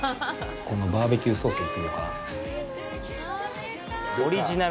このバーベキューソースで行ってみようかな？